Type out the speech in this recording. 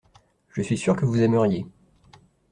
Je suis sûr vous aimeriez.